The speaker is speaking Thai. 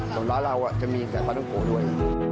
แต่ร้านเราจะมีแต่ปลาต้องโกะด้วย